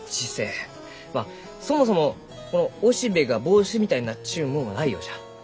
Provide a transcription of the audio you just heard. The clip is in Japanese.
まあそもそもこの雄しべが帽子みたいになっちゅうもんはないようじゃ。